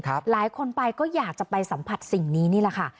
หลายคนไปก็อยากจะไปสัมผัสสิ่งนี้นี่แหละค่ะ